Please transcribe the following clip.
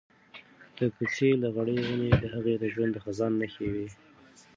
د کوڅې لغړې ونې د هغې د ژوند د خزان نښې وې.